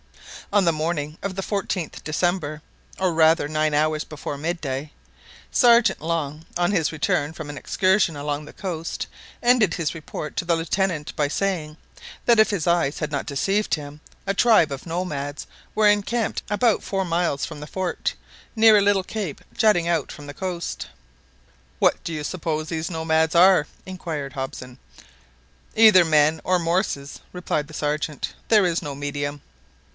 On the morning of the 14th December, or rather nine hours before midday, Sergeant Long, on his return from an excursion along the coast, ended his report to the Lieutenant by saying, that if his eyes had not deceived him, a tribe of nomads were encamped about four miles from the fort, near a little cape jutting out from the coast. "What do you suppose these nomads are?" inquired Hobson. "Either men or morses," replied the Sergeant. "There's no medium!"